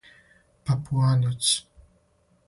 Папуанац